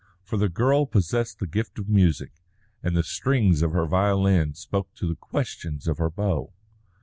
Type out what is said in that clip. For the girl possessed the gift of music, and the strings of her violin spoke to the questions of her bow.